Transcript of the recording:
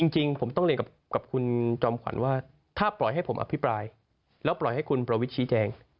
จริงผมต้องเรียนกับคุณจอมขวัญว่าถ้าปล่อยให้ผมอภิปรายแล้วปล่อยให้คุณประวิทย์ชี้แจง